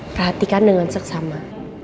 perhatikan dengan seksama